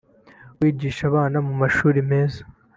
wigisha abana mu mashuri meza